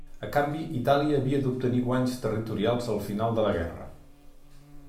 A canvi, Itàlia havia d'obtenir guanys territorials al final de la guerra.